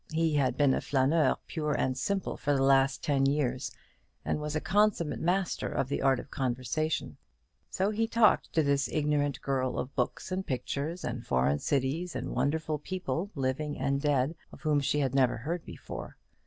He had been a flâneur pure and simple for the last ten years, and was a consummate master of the art of conversation; so he talked to this ignorant girl of books, and pictures, and foreign cities, and wonderful people, living and dead, of whom she had never heard before.